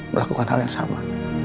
melakukan hal yang sama